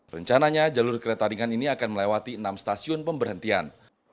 rencananya jalur kereta ringan ini akan melewati enam stasiun pemberhentian